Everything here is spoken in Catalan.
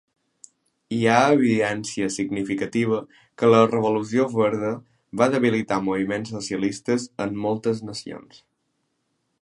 Hi ha evidència significativa que la Revolució Verda va debilitar moviments socialistes en moltes nacions.